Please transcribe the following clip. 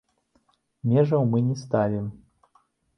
Межаў мы не ставім.